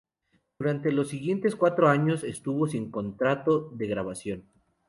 Durante los siguientes cuatro años estuvo sin contrato de grabación.